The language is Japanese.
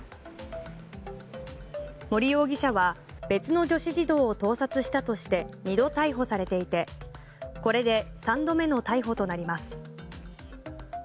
森容疑者は別の女子児童を盗撮したとして２度逮捕されていてこれで３度目の逮捕となります。